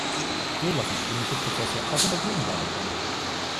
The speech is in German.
So lassen sich ähnliche Prozesse auch in der Gegenwart erkennen.